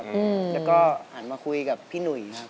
แล้วก็หันมาคุยกับพี่หนุ่ยครับ